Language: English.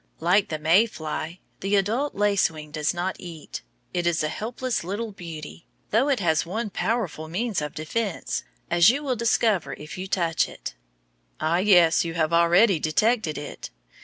Like the May fly, the adult lacewing does not eat. It is a helpless little beauty, though it has one powerful means of defence, as you will discover if you touch it. Ah, yes; you have already detected it!